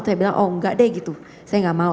saya bilang oh enggak deh gitu saya nggak mau